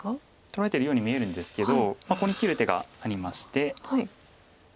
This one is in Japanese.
取られてるように見えるんですけどここに切る手がありまして。